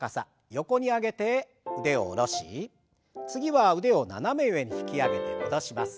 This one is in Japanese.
横に上げて腕を下ろし次は腕を斜め上に引き上げて戻します。